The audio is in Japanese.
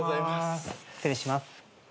失礼します。